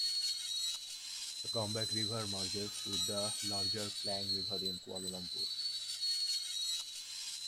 Gombak River merges with the larger Klang River in Kuala Lumpur.